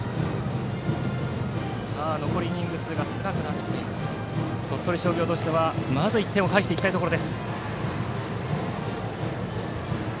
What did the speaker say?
残りイニング数が少なくなって鳥取商業としてはまず１点を返していきたいところ。